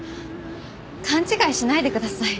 勘違いしないでください。